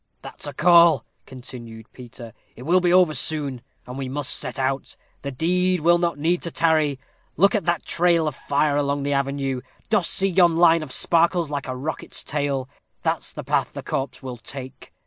"That's a call," continued Peter; "it will be over soon, and we must set out. The dead will not need to tarry. Look at that trail of fire along the avenue; dost see yon line of sparkles, like a rocket's tail? That's the path the corpse will take.